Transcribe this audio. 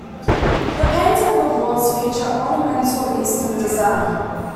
The painting of the walls feature ornamental Eastern design.